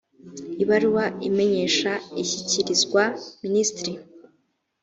ibaruwa imenyesha ishyikirizwa minisitiri